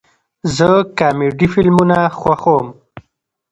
زه کامیډي فلمونه خوښوم